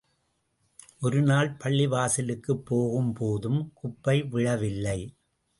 ஒரு நாள் பள்ளிவாசலுக்குப் போகும் போதும் குப்பை விழவில்லை.